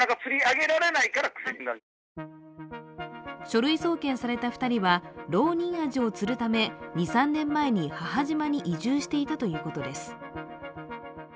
書類送検された２人はロウニンアジを釣るため２３年前に母島に移住していたということです。